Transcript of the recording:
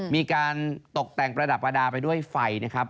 มีการตกแต่งประดับประดาษไปด้วยไฟนะครับ